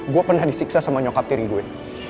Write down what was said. gue pernah disiksa sama nyokap tiri gue